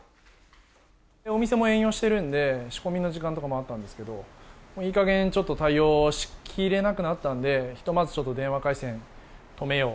お店も営業してるんで、仕込みの時間とかもあったんですけど、もういいかげん、ちょっと対応しきれなくなったんで、ひとまずちょっと電話回線止めよう。